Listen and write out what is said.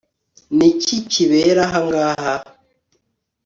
Ni iki kibera hangaha